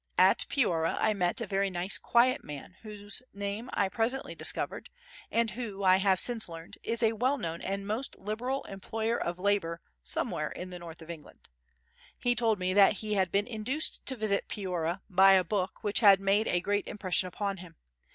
At Piora I met a very nice quiet man whose name I presently discovered, and who, I have since learned, is a well known and most liberal employer of labour somewhere in the north of England. He told me that he had been induced to visit Piora by a book which had made a great impression upon him.